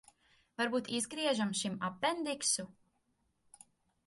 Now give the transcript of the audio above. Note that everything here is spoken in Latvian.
Varbūt izgriežam šim apendiksu?